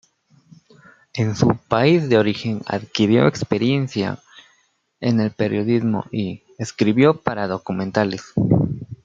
En su país de origen adquirió experiencia en el periodismo y escribió para documentales.